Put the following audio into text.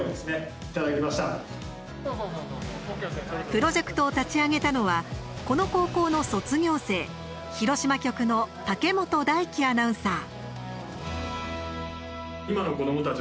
プロジェクトを立ち上げたのはこの高校の卒業生広島局の武本大樹アナウンサー。